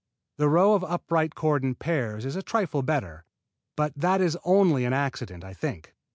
The row of upright cordon pears is a trifle better, but that is only an accident, I think.